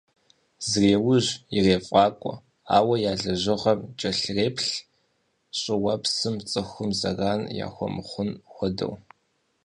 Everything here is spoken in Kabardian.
Зреужь, ирефӀакӀуэ, ауэ я лэжьыгъэм кӀэлъреплъ, щӀыуэпсым, цӀыхум зэран яхуэмыхъун хуэдэу.